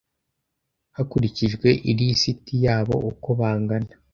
hakurikijwe ilisiti yabo uko bangana